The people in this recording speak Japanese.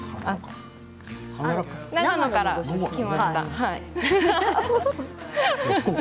長野から来ました。